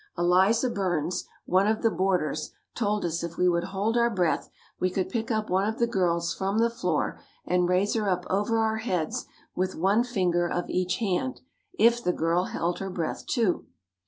Eliza Burns, one of the boarders, told us if we would hold our breath we could pick up one of the girls from the floor and raise her up over our heads with one finger of each hand, if the girl held her breath, too.